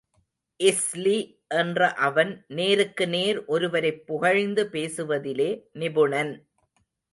இஸ்லி என்ற அவன் நேருக்கு நேர் ஒருவரைப் புகழ்ந்து பேசுவதிலே நிபுணன்.